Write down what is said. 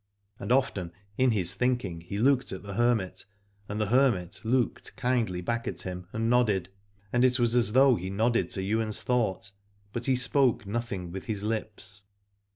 And often in his thinking he looked at the hermit, and the hermit looked kindly back at him, and nodded: and it was as though he nodded to Ywain's thought, but he spoke nothing with his lips.